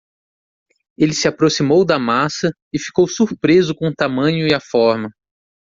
Ele se aproximou da massa e ficou surpreso com o tamanho e a forma.